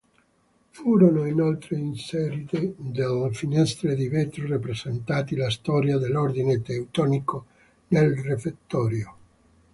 Furono inoltre inserite delle finestre di vetro rappresentanti la storia dell'Ordine Teutonico nel refettorio.